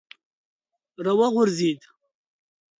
را وغورځېد.